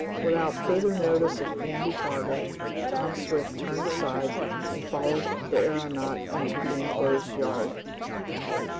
Without further notice of Andy Foger, Tom Swift turned aside, and followed the aeronaut into the enclosed yard.